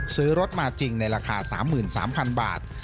ซื้อรถมาจริงในราคา๓๓๐๐๐บาท